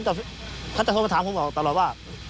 ผมถามพระเจ้าโทรมาถามผมบอกตลอดว่า